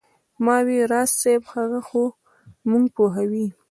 ما وې راز صاحب هغه خو موږ پوهوي.